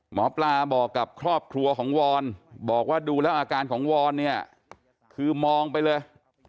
หมอปลาบอกกับครอบครัวของวอนบอกว่าดูแล้วอาการของวอนเนี่ยคือมองไปเลย